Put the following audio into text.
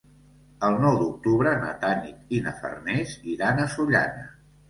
El nou d'octubre na Tanit i na Farners iran a Sollana.